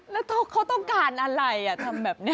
แล้วเขาต้องการอะไรทำแบบนี้